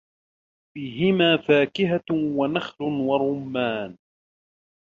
فيهما فاكهة ونخل ورمان